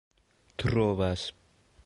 trovas